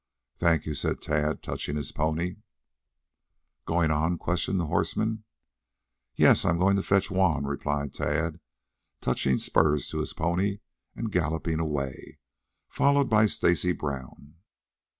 "Thank you," said Tad, touching his pony; "Going on?" questioned the horseman. "Yes; I'm going to fetch Juan," replied Tad, touching spurs to his pony and galloping away, followed by Stacy Brown.